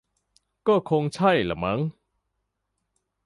ก็คงใช่ละมั้ง